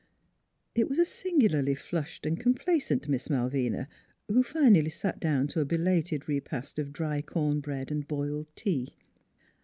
It was a singularly flushed and complacent Miss Malvina who finally sat down to a belated repast of dry corn bread and boiled tea.